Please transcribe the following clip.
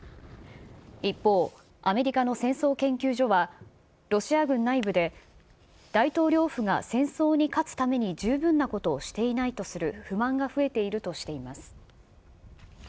一方、アメリカの戦争研究所は、ロシア軍内部で、大統領府が戦争に勝つために十分なことをしていないとする不満が増えているとしています。